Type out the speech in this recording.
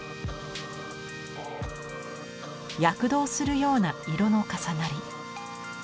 躍動するような色の重なり。